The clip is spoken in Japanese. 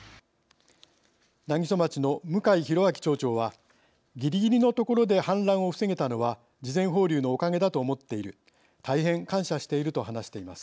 南木曽町の向井裕明町長は「ぎりぎりのところで氾濫を防げたのは事前放流のおかげだと思っている大変、感謝している」と話しています。